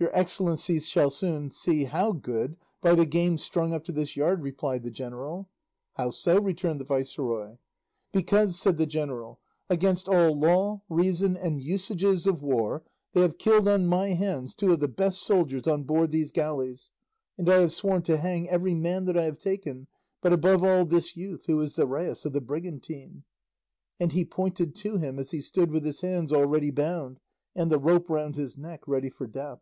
"Your excellency shall soon see how good, by the game strung up to this yard," replied the general. "How so?" returned the viceroy. "Because," said the general, "against all law, reason, and usages of war they have killed on my hands two of the best soldiers on board these galleys, and I have sworn to hang every man that I have taken, but above all this youth who is the rais of the brigantine," and he pointed to him as he stood with his hands already bound and the rope round his neck, ready for death.